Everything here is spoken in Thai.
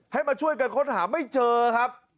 มาช่วยกันค้นหาไม่เจอครับ